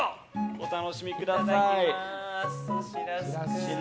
お楽しみください。